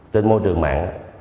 trên môi trường mạng